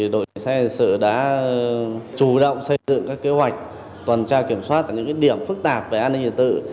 đội xã hội hình sự đã chủ động xây dựng các kế hoạch tuần tra kiểm soát những điểm phức tạp về an ninh trật tự